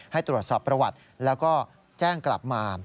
ให้ตรวจสอบประวัติแล้วก็แจ้งกลับมา